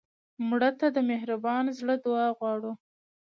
مړه ته د مهربان زړه دعا غواړو